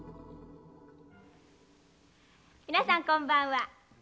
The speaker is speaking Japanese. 皆さん、こんばんは。